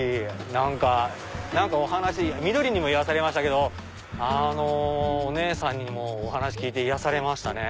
何か緑にも癒やされましたけどあのお姉さんにもお話聞いて癒やされましたね。